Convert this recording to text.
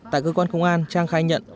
tại cơ quan công an trang khai nhận